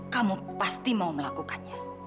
kamu pasti mau melakukannya